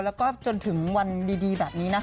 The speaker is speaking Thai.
แล้วก็จนถึงวันดีแบบนี้นะคะ